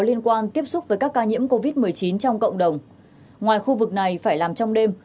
liên quan tiếp xúc với các ca nhiễm covid một mươi chín trong cộng đồng ngoài khu vực này phải làm trong đêm